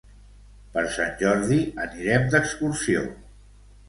Per Sant Jordi anirem d'excursió.